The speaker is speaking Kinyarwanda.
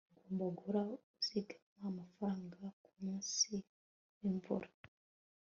ugomba guhora uzigama amafaranga kumunsi wimvura